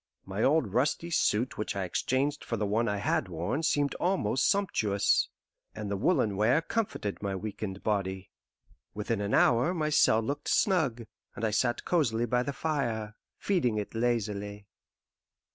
My old rusty suit which I exchanged for the one I had worn seemed almost sumptuous, and the woollen wear comforted my weakened body. Within an hour my cell looked snug, and I sat cosily by the fire, feeding it lazily.